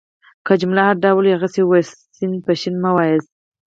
که جمله هر ډول وي هغسي يې وایاست. س په ش مه واياست.